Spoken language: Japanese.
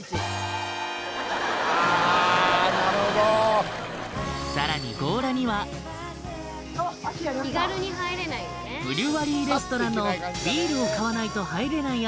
なるほどさらに強羅にはブリュワリーレストランのビールを買わないと入れない